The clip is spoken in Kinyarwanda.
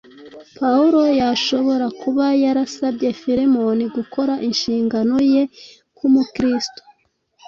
Pawulo yashobora kuba yarasabye Filemoni gukora inshingano ye nk’Umukristo;